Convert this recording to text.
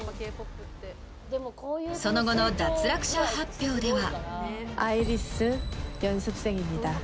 その後の脱落者発表では。